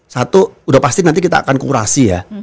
satu udah pasti nanti kita akan kurasi ya